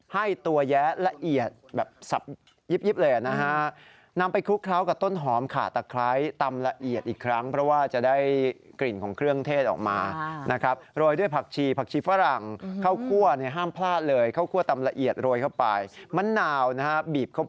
ขั้นตอนการทำลาบนี่นะครับ